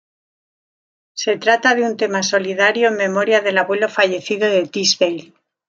Se trata de un tema solidario en memoria del abuelo fallecido de Tisdale.